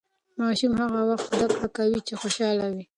ماشوم هغه وخت زده کړه کوي چې خوشاله وي.